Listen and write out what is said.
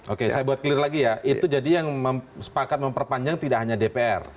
oke saya buat clear lagi ya itu jadi yang sepakat memperpanjang tidak hanya dpr